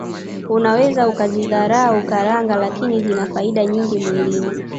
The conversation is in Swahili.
Unaweza ukazidharau karanga lakini zina faida nyingi mwilini